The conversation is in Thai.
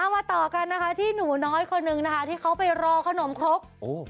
มาต่อกันนะคะที่หนูน้อยคนนึงนะคะที่เขาไปรอขนมครก